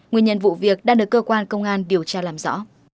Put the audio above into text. nguyên nhân vụ việc đang được cơ quan công an điều tra làm rõ